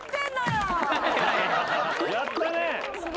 やったね。